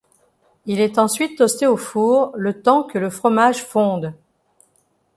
Il est ensuite toasté au four, le temps que le fromage fonde.